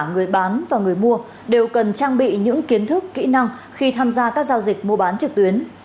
người bán và người mua đều cần trang bị những kiến thức kỹ năng khi tham gia các giao dịch mua bán trực tuyến